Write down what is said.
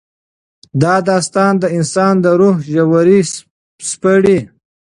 دا داستان د انسان د روح ژورې سپړي.